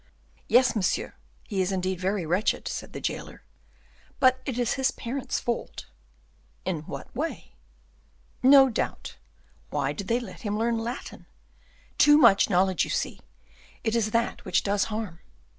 "Yes, monsieur, he is indeed very wretched," said the jailer; "but it is his parents' fault." "In what way?" "No doubt. Why did they let him learn Latin? Too much knowledge, you see; it is that which does harm.